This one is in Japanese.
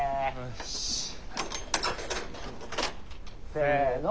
せの。